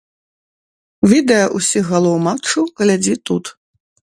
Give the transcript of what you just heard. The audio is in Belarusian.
Відэа ўсіх галоў матчу глядзі тут!